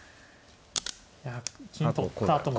いや金取ったあとも。